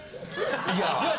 いや。